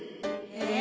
え！